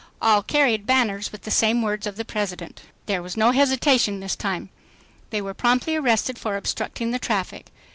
All carried banners with the same words of the President. There was no hesitation this time. They were promptly arrested for "obstructing the traffic."